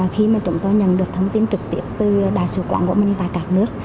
khi mà chúng tôi nhận được thông tin trực tiếp từ đại sứ quản của mình tại cả nước